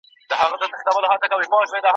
مُلا مي په زر ځله له احواله دی پوښتلی